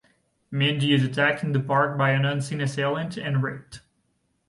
Mindy is attacked in the park by an unseen assailant and raped.